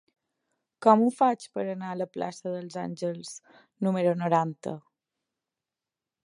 Com ho faig per anar a la plaça dels Àngels número noranta?